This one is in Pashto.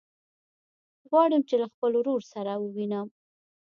غواړم چې له خپل ورور سره ووينم.